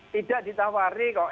tidak ditawari kok